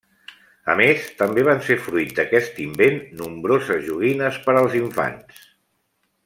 A més, també van ser fruit d’aquest invent nombroses joguines per als infants.